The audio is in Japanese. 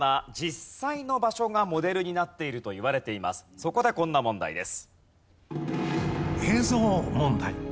そこでこんな問題です。